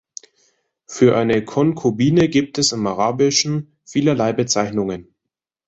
Für eine Konkubine gibt es im Arabischen vielerlei Bezeichnungen.